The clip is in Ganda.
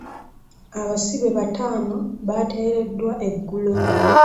Abasibe bataano baateeredwa egulo